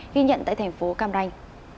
ghi nhận tại thành phố cam ranh